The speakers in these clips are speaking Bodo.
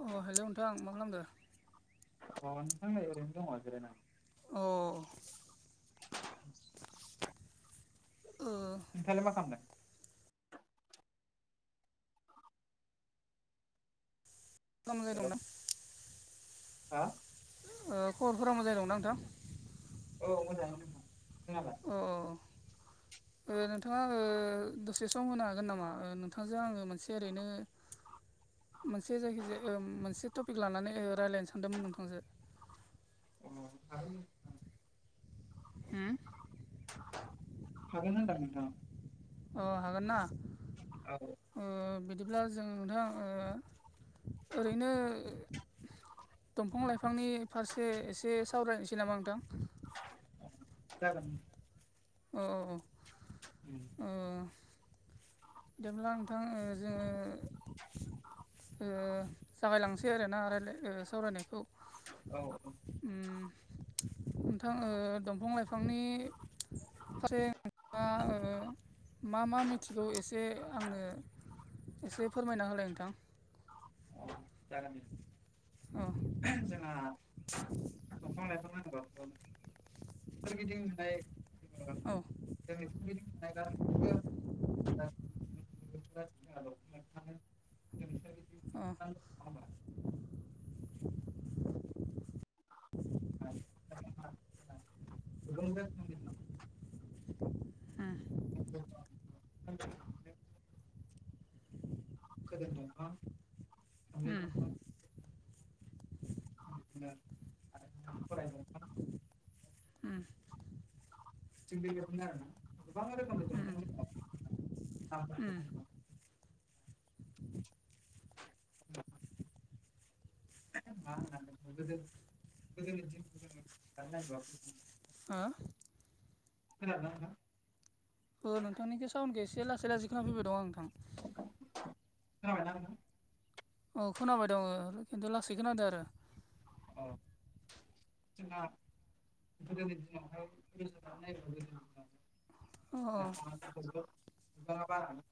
अ हेलौ नोंथांं मा खालामदो? अ नोंथां नै ओरैनो दं जिरायनानै। अ ओ। नोंथांआलाय मा खालामदों? हेल' [unintelligible] हा। खबरफोरा मोजाडैं दंना नोंथां। औ मोजाङैनो दं नोंहालाय। अ'। ओ नोंथाङा ओ दसे सम होनो हागोन नामा नोंथांजों आङो मोनसे ओरैनो मोनसे जायखिजाया ओ मोनसे टपिक लानानै रायज्लायनो सानदोंमोन नोंथांजो अ। होम। हागोन दा नोंथां। अ हागोनना। औ। ओ बिदिब्ला जों नोंथां ओ ओरैनो। दंफां लाइफांनि फारसे एसे सावरायनोसै नामा नोथां जागोन। अ अ ओ उम अ ओ जेब्ला नोंथां ओ जोङो जोंङो जागायलांसै आरोना रायालाय सावरायनायखौ औ औ। उम। नोंथां दंफां लाइफांनि फारसे नोंथाङा। ओ मा मा मिथिगौ एसे। जे आंनो। एसे फोरमायना होलाय नोंथां। औ जागोन औ जोंहा दंफांनायखौ नांगौ सोरगिदिं थानाय औ [unintelligible] [unintelligible] औ [unintelligible] [unintelligible] [unintelligible] उम। खोदोम दंफां सोमलि उम दंफां [unintelligible] थिग बेबादिनो आरोना गोबां उम रोखोमनि दंफां दङ। उम नामफोरखौ [unintelligible] हो खोनादोना नोंथा ओ नोंथांनिखौ साउनखौ एसे लासै लासै खोना फैबाय दं आं नोंथां। खोनाबायना नोंथा? औ खोनाबाय दङ खिन्थु लासै खोनादो आरो। अ [inaudible] [unintelligible] औ [unintelligible]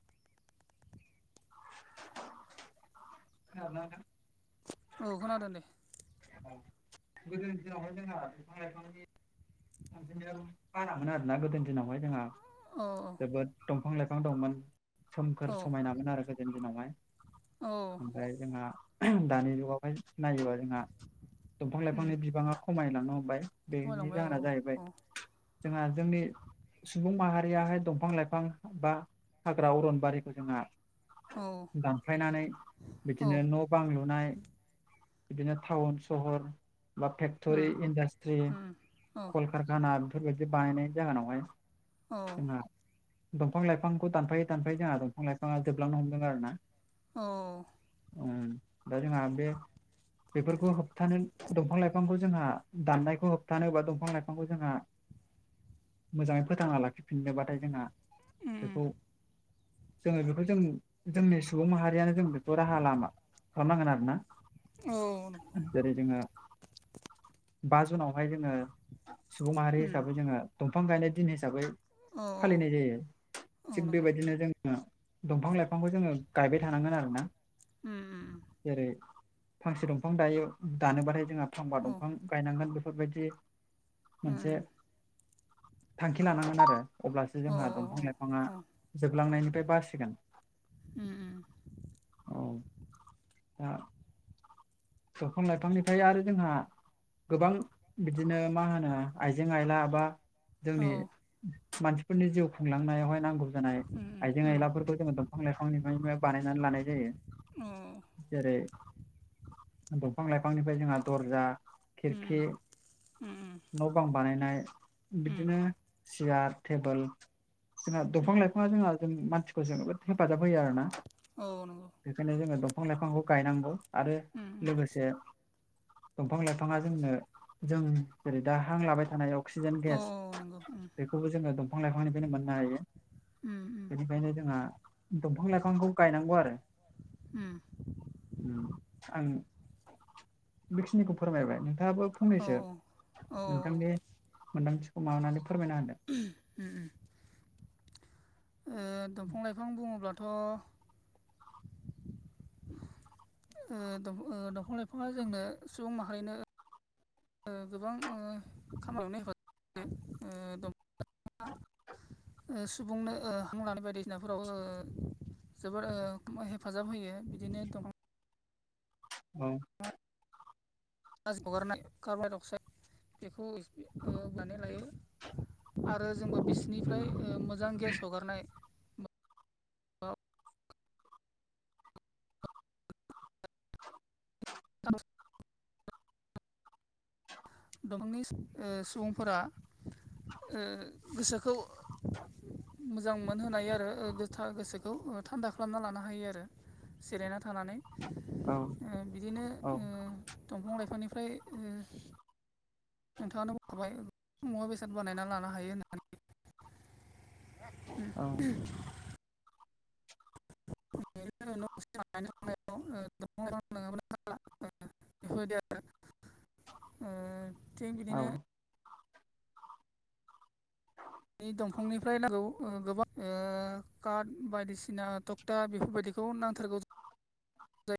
[unintelligible] औ खोनादों दे औ गोदोनि दिनावहाय जोंहा बिफां लाइफांनि गोदोनि दिनावहाय जोंहा औ जोबोद दंफां लाइफां दंमोन औ सोमखोर समायनामोन आरो गोदोनि दिनावहाय औ ओमफ्राय जोंहा दानि जुगावहाय नायोबा जोंहा दंफां उम लाइफांनि बिबांआ खमायलांनो हमबाय बेनि खमायलांबाय औ जाहोना जाहैबाय जोंहा जोंनि सुबुं माहारियाहाय दंफां लाइफां बा हाग्रा अरनबारिखौ जोंहा औ दानफ्लायनानै औ बिदिनो न' बां लुनाय बिदिनो टाउन सहर बा उम फेक्टरि इन्डास्ट्रि उम औ कारखाना बेफोरबायदि बानायनाय जागानावहाय औ जोंहा दंफां लाइफांखौ दानफायै दानफायै जोंहा दंफां लाइफाङा जोबलांनो हमदों आरो ना। औ उम दा जोंहा बे बेफोरखौ होबथानो दंफां लाइफांखौ जोंहा दाननायखौ होबथानोबाथ बिफां लाइफांखौ जोंहा मोजाङै फोथांना लाखिफिननोबाथाय जोंहा उम बेखौ उम जोङो बेखौ जों जोंनि सुबुं माहारियानो जों बेखौ' राहा लामा खालामनांगोन आरो ना? औ जेरै जोंहा बा जुनावहाय जोङो सुबुं माहारि उम हिसाबै जोङो दंफां गायनाय दिन हिसाबै औ फालिनाय जायो। औ थिग नंगौ बेबायदिनो जोङो दंफां लाइफांखौ जोङो गायबाय थानांगोन आरो ना। उम उम जेरै फांसे दंफां दायो दानोबाथाय जोंहा फांबा दंफा उम गायनांगोन बेफोरबायदि उम मोनसे थांखि लानांगोन आरो। अब्लासो औ उम औ जोंहा दंफां लाइफाङा औ जोबलांनायनिफ्राय बासिगोन। उम उम औ आ दफां लाइफांनिफ्राय आरो जोंहा गोबां बिदिनो मा होनो आइजें आइला बा औ जोंनि मानसिफोरनि जिउ खुंलांनायावहाय नांगौ होनाय उम आइजें उम आइलाफोरखौ जोङो दंफां लाइफांनिफ्रायनो बानायनानै लानाय जायो। औ जेरै दंफां लाइफांनिफ्राय जोंहा दरजा उम खिरखि उम न' बां बानायनाय उम बिदिनो सियार टेबोल जोंहा दंफां लाइ फिफाङा जोंहा जों मानसिखौ जोबोद हेफाजाब होयो आरो आरोना औ नंगौ। बेखायनो जोङो दंफां लाइफांखौ गायनांगौ आरो उम उम लोगोसे दंफां लाइफाङा जोंनो जों जेरै दा हां लाबाय थानायाव अक्सिजेन औ गेस नंगौ उम बेखौबो जोङो दंफां लाइफांनिफ्रायनो मोननो हायो। उम उम बेनिखायनो जोंहा दंफां लाइफांखौ गायनांगौ आरो उम। आं बेखिनिखौ फोरमायबाय नोंथाङाबो औ फंनैसो औ ओ नोंथांनि मोन्दांथिखौ माबानानै फोरमायना होदो। दंफां लाइफां बुङोब्लाथ' ओ दंफां लाइफाङा जोंनो सुबुं माहारिनो [unintelligible] ओ सुबुंनो ओ हां लानाय बायदिसिनाफोराव ओ जोबोर ओ हेफाजाब होयो बिदिनो दं औ [unintelligible] [unintelligible] हगारनाय कार्बन डाइ अक्साईड बेखौ [unintelligible] ओ बोनानै लायो। आरो जोंबो होदो बिसिनिफ्राय ओ मोजां गेस हगारनाय [unintelligible] दफांनि ओ सुबुंफोरा ओ गोसोखौ मोजां मोनहोनाय आरो ओ गोथार गोसोखौ ओ थान्दा खालामना लानो हायो आरो। जिरायना थानानै औ ओ बिदिनो ओ उम दंफां लाइफांनिफ्राय ओ नोंथाङानो बुंखाबाय मुवा बेसाद बानायना लानो हायो होननानै। औ [unintelligible] [unintelligible] [unintelligible] बेफोरबायदि आरो। ओ थिग औ बिदिनो नि दंफांनिफ्राय नांगौ ओ गोबां ओ खार्द बायदिसिना थक ता बेफोरबायदिखौ नांथारगौ जायो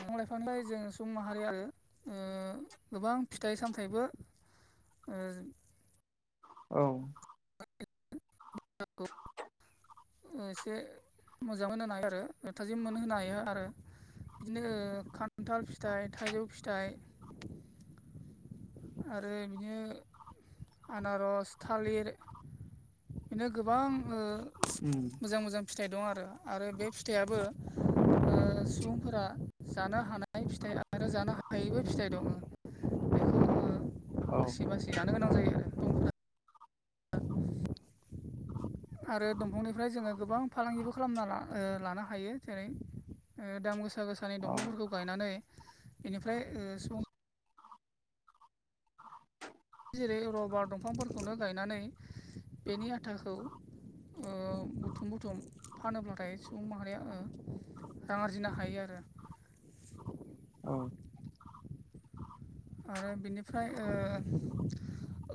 ओ दंफां लाइफांनिफ्राय जों सुबुं माहारि आरो ओ गोबां फिथाइ सामथाइबो ओ औ। [unintelligible] एसे मोजां मोन [unintelligible] हायो आरो थाजिम मोन होनो हायो आरो बिदिनो खान्थाल फिथाइ, थाइजौ फिथाइ आरो बिदिनो आनारस थालिर बेनो गोबां ओ उम मोजां मोजां फिथाइ दं आरो। आरो बे फिथाइयाबो ओ सुबुंफोरा जानो हानाय फिथाइ आरो जानो हायैबो फिथाइ दङो। बेखौ औ जोङो बासि बासि जानो गोनां जायो आरो [unintelligible] [inaudible] आरो दंफांनिफ्राय जोङो गोबां फालांगिबो खालामना ला-ओ लानो हायो जेरै ओ दाम गोसा गोसानि औ दंफांफोरखौ गायनानै बेनिफ्राय ओ सम जेरै रबार दंफांफोरखौनो गायनानै बेनि आटाखौ ओ बुथुम बुथुम फानोब्लाथाय सुबुं माहारिया ओ रां आरजिनो हायो आरो। औ। आरो बिनिफ्राय ओ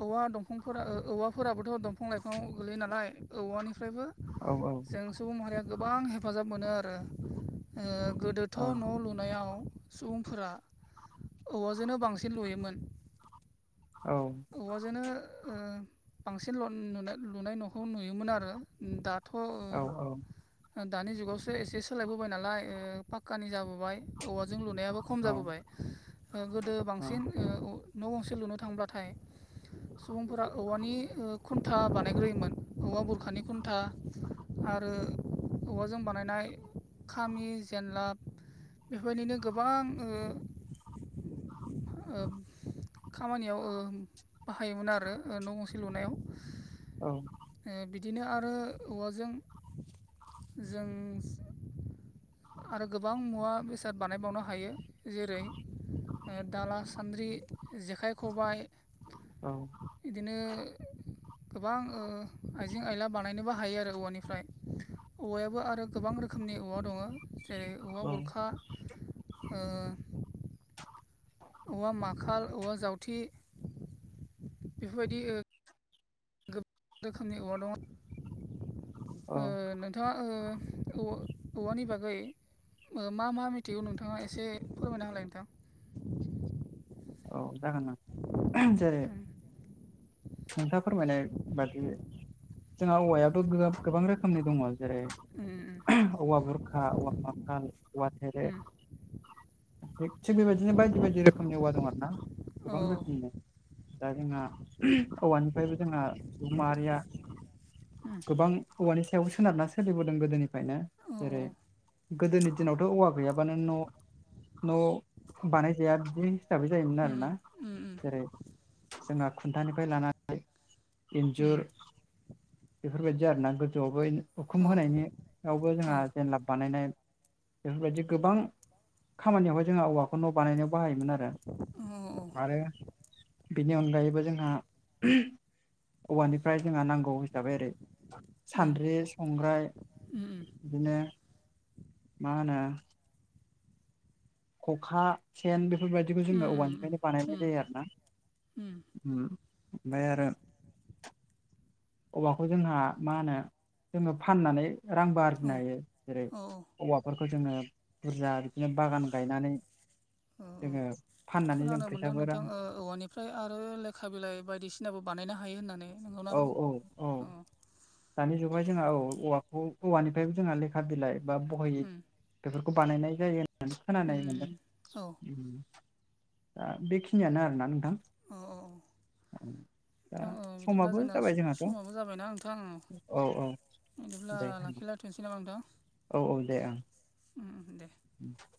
औवा दंफांफोरा ओ औवाफोराबोथ' दं फां लाइफांआव गोलैयो नालाय औवानिफ्रायबो औ औ। जों सुबुं माहारिया गोबां हेफाजाब मोनो आरो। ओ गोदोथ' न' लुनायाव सुबुंफोरा औवाजोंनो बांसिन लुयोमोन। औ। औवाजोंनो ओ बांसिन लन नुनाय लुनाय न'खौ नुयोमोन आरो उम दाथ' औ औ। ओ दानि जुगावसो एसे सोलायबोबाय ओ नालाय पाक्कानि जाबोबाय औवाजों लुनायाबो खम जाबोबाय ओ गोदो बांसिन ओ न' गंसे लुनो थांब्लाथाय सुबुंफोरा औवानि ओ खुन्था बानायग्रोयोमोन औवा बुरखानि खुन्था आरो औवाजों बानायनाय खामि जेनलाब बेफोरबायदिनो गोबां ओ ओ खामानियाव ओ बाहायोमोन आरो ओ न' गंसे लुनायाव। औ। ओ बिदिनो आरो औवाजों जों आरो गोबां मुवा बेसाद बानायबावनो हायो जेरै ओ दाला, सान्द्रि, जेखाइ, खबाय औ। इदिनो गोबां ओ आइजें आयला बानायनोबो हायो आरो औवानिफ्राय। औवायाबो आरो गोबां रो खोमनि औवा दङ जेरै औवा औ बुरखा ओ औवा माखाल, औवा जावथि बेफोरबायदि ओ गोबां रोखोमनि औवा दङ। औ ओ नों थाङा ओ औ-औवानि बागै मा मा मोनथिगौ नोंथाङा एसे फोरमायनो होलाय नोंथां। औ जागोन नोंथां जेरै उम नोंथाङा फोरमायनाय बादि जोंहा औवायाथ' गोबां रोखोमनि दङ। जेरै उम औवा बुर खा औवा माकाल, औवा थेरे उम एसे बेबायदिनो बायदि बायदि रोखोमनि औवा दं ना उम औ गोबां रोखोमनि दा जोंहा औवानिफ्रायबो जोंहा सुबुं माहारिया ओम। गोबां औवानि सायावबो सोनारना सोलिबोदों गोदोनिफ्रायनो उम औ जेरै गोदोनि दिनावथ' औवा गैयाबानो न' न' बानायजाया बिदि हिसाबै उम जायोमोन आरोना जेरै जोंहा खुन्थानिफ्राय लानानै इन्जुर बेफोरबायदि आरोना, गोजौआवबो उम उम औ उखुम होनायनियावबो जोंहा जेनलाब बानायनाय बेफोरबायदि गोबां खामानियावहाय जोंहा औवाखौ न' बानायनायाव बाहायोमोन आरो। औ औ। आरो बेनि अनगायैबो जोंहा औवानिफ्राय जोंहा नांगौ हिसाबै ओरै उम सानद्रि संग्राय उम उम बिदिनो मा होनो खखा सेन बेफोरबायदिखौ जोङो उम औवानिफ्रायनो उम बानायनाय जायो आरो ना उम। ओमफाय आरो औवाखौ जोंहा मा होनो जोङो फाननानै रांबो औ आरजिनो हायो जेरै औ औवाफोरखौ जोङो बुरजा बिदिनो बागान गायनानै औ औ जोङो फाननानै जों खोनानो मोनदों फैसाबो नोंथां रां ओ औवानिफ्राय आरो लेखा बिलाइ बायदिसिनाबो बानायनो हायो होननानै नंगौना औ औ औ दानि जुगाव जोंहा औ औवाखौ औवानिफ्रायबो जोंहा लेखा लेखा बिलाइ बा बहि उम बेफोरखौ बानायनाय जायो खोनानाय उम मोनदों उम औ दा बेखिनियानो आरोना नोंथां। [inaudible] औ औ नोंथां औ बिदिब्ला जोंना जाबाय जोंहाथ' समाबो जाबायना नोंथां औ। औ औ बिदिब्ला दे लाखि [unintelligible] औ औ दे ओं। उम दे। [unintelligible]